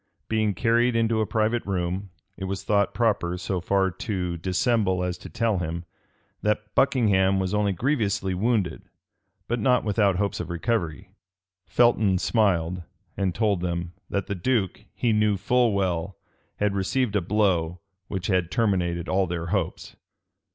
Being carried into a private room, it was thought proper so far to dissemble as to tell him, that Buckingham was only grievously wounded, but not without hopes of recovery. Felton smiled, and told them, that the duke, he knew full well, had received a blow which had terminated all their hopes.